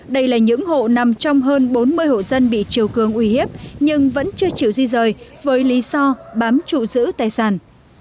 đây là những hộ nằm trong hơn bốn mươi hộ dân bị triều cường uy hiếp nhưng vẫn chưa chịu di rời với lý do bám trụ giữ tài sản